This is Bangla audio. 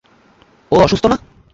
ও অসুস্থ, না?